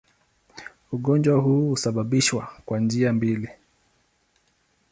Ugonjwa huu husababishwa kwa njia mbili.